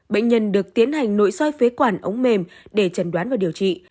bệnh nhân được tiến hành nội soi phế quản ống mềm để trần đoán và điều trị